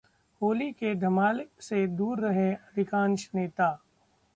होली के धमाल से दूर रहे अधिकांश नेता